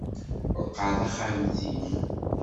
Ṛeqqeɛ taxxamt-im!